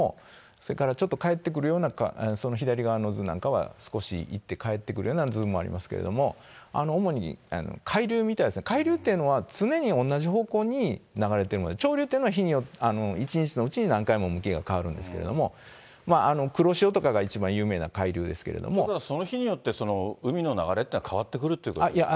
それから、ちょっと帰ってくるような、その左側の図なんかは少し行って帰ってくるような図もありますけど、主に海流みたいですね、海流っていうのは、常に同じ方向に流れてるんで、潮流っていうのは、１日のうちに何回も向きが変わるんですけども、黒潮とかが一ということは、その日によって、その海の流れっていうのは変わってくるっていうことですか？